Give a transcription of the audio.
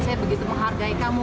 saya begitu menghargai kamu